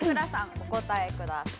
お答えください。